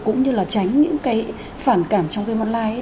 cũng như là tránh những cái phản cảm trong cái online